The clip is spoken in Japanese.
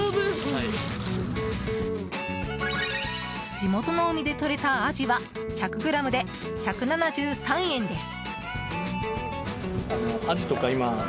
地元の海でとれたアジは１００ｇで１７３円です。